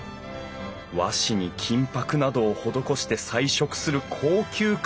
和紙に金ぱくなどを施して彩色する高級壁紙。